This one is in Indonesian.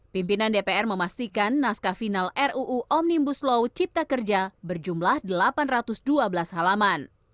pimpinan dpr memastikan naskah final ruu omnibus law cipta kerja berjumlah delapan ratus dua belas halaman